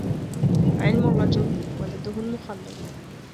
عِلْمُ الرجل ولده المخَلَّدُ